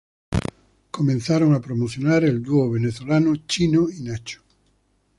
Comenzaron a promocionar el dúo venezolano Chino y Nacho.